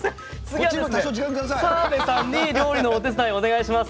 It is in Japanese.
澤部さんに料理のお手伝いをお願いします。